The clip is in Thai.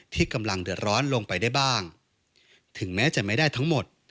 ที่กำลังเดือดร้อนลงไปได้บ้างถึงแม้จะไม่ได้ทั้งหมด